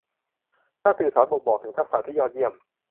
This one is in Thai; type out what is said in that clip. การสื่อสารบ่งบอกถึงทักษะที่ยอดเยี่ยม